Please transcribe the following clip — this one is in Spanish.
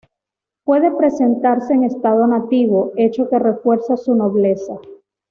Puede presentarse en estado nativo, hecho que refuerza su nobleza.